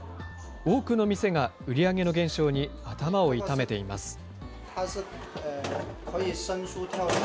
多くの店が売り上げの減少に頭を痛めています。